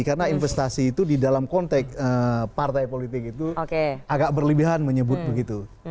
karena investasi itu di dalam konteks partai politik itu agak berlebihan menyebut begitu